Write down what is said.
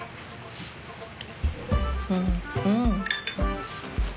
うんうん！